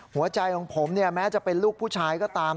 หัวใจของผมแม้จะเป็นลูกผู้ชายก็ตาม